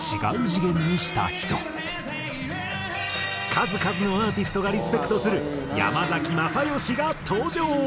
数々のアーティストがリスペクトする山崎まさよしが登場。